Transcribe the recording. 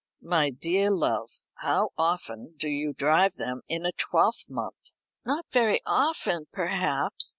"My dear love, how often do you drive them in a twelvemonth?" "Not very often, perhaps.